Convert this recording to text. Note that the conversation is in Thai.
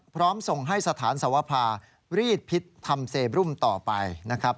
พร้อมส่งให้สถานสวภารีดพิษทำเซบรุมต่อไปนะครับ